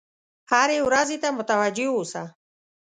هرې ورځې ته متوجه اوسه.